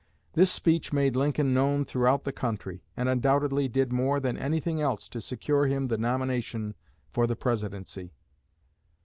This speech made Lincoln known throughout the country, and undoubtedly did more than anything else to secure him the nomination for the Presidency.